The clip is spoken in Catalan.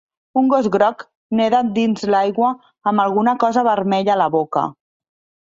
Un gos groc neda dins l'aigua amb alguna cosa vermella a la boca.